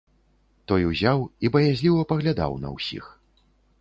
Той узяў і баязліва паглядаў на ўсіх.